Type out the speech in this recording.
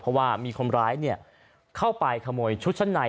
เพราะว่ามีคนร้ายเข้าไปขโมยชุดชั้นใน